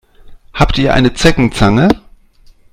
Habt ihr eine Zeckenzange?